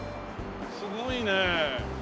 すごいねえ。